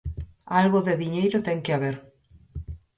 Algo de diñeiro ten que haber.